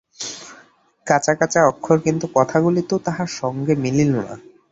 কাঁচা-কাঁচা অক্ষর, কিন্তু কথাগুলি তো তাহার সঙ্গে মিলিল না।